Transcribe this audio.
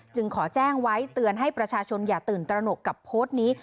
ขอแจ้งไว้เตือนให้ประชาชนอย่าตื่นตระหนกกับโพสต์นี้